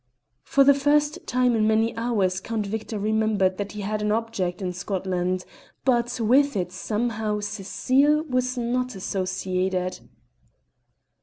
For the first time in many hours Count Victor remembered that he had an object in Scotland, but with it somehow Cecile was not associated.